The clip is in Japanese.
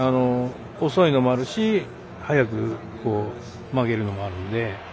遅いのもあるし、速く曲げるのもあるので。